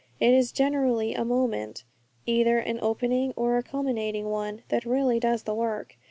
It is generally a moment either an opening or a culminating one that really does the work.